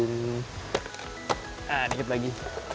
nah dikit lagi